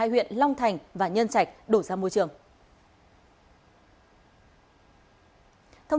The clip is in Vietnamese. hai huyện long thành và nhân trạch đổ ra môi trường